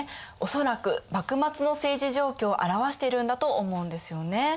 恐らく幕末の政治状況を表しているんだと思うんですよね。